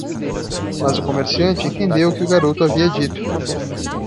Mas o comerciante entendeu o que o garoto havia dito.